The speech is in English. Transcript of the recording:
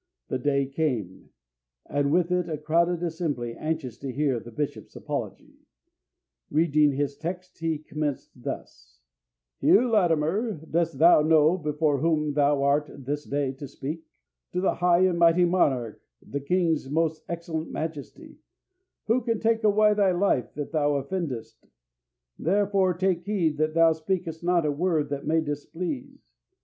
The day came, and with it a crowded assembly anxious to hear the bishop's apology. Reading his text, he commenced thus: 'Hugh Latimer, dost thou know before whom thou art this day to speak? To the high and mighty monarch, the king's most excellent majesty, who can take away thy life if thou offendest. Therefore, take heed that thou speakest not a word that may displease.